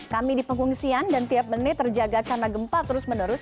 kami di pengungsian dan tiap menit terjaga karena gempa terus menerus